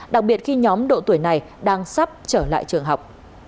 đặc biệt khi nhóm độ tuổi này đang sắp trở lại trường học